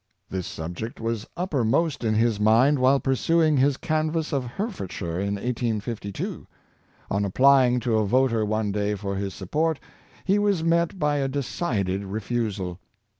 This subject was uppermost in his mind while pursuing his canvass of Herefordshire in 1852. On applying to a voter one day for his support, he was met by a decided refusal.